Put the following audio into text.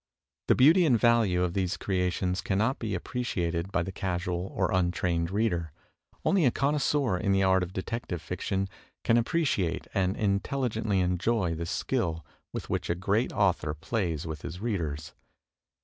The beauty and value of these creations cannot be appreciated by the casual or untrained reader. Only a connossieur in the art of de tective fiction can appreciate and intelligently enjoy the skill with which a great author plays with his readers.